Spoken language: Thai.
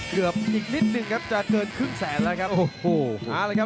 เกือบอีกนิดนึงครับจะเกินครึ่งแสนแล้วครับ